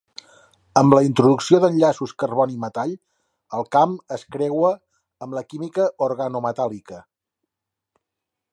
Amb la introducció d'enllaços carboni-metall, el camp es creua amb la química organometàl·lica.